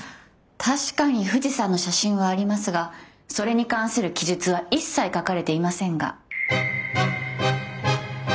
確かに富士山の写真はありますがそれに関する記述は一切書かれていませんが。